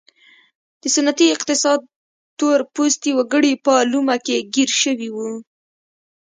د سنتي اقتصاد تور پوستي وګړي په لومه کې ګیر شوي وو.